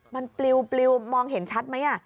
มันปลิวมองเห็นชัดไหม